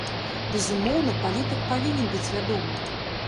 Безумоўна, палітык павінен быць вядомым.